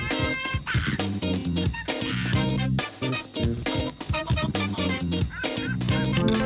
เจอกันใหม่วันจันทร์หน้าสวัสดีค่ะ